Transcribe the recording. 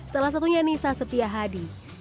salah satunya nisa setiahadi